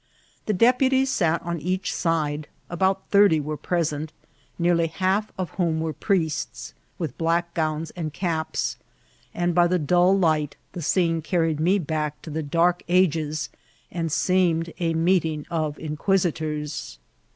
The deputies sat on each side, about thirty being present, nearly half of whom were priests, with black gowns and caps ; and by the dull light the scene carried me back to the dark ages, and seemed a meeting of inquisitors.